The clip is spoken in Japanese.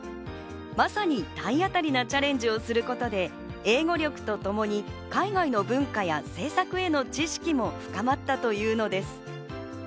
まさに体当たりなチャレンジをすることで英語力とともに海外の文化や政策への知識も深まったというのです。